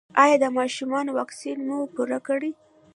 ایا د ماشومانو واکسین مو پوره کړی؟